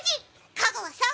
香川さん。